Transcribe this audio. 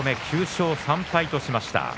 ９勝３敗としました。